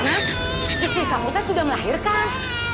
mas istri kamu kan sudah melahirkan